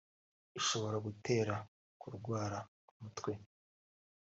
ishobora gutera kurwara umutwe